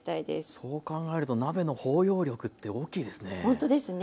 そう考えると鍋の包容力って大きいですね。